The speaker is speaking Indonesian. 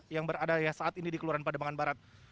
yang berada saat ini di kelurahan pademangan barat